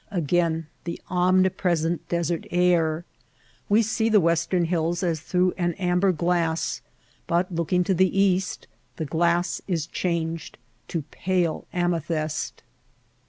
Again the omnipresent desert air ! We see the western hills as through an amber glass, but looking to the east the glass is changed to pale amethyst.